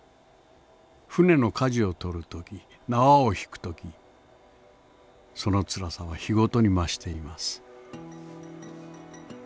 船の舵をとる時縄を引く時その辛さは日ごとに増しています。